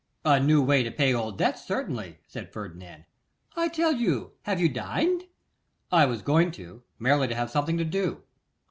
'A new way to pay old debts, certainly,' said Ferdinand. 'I tell you have you dined?' 'I was going to; merely to have something to do.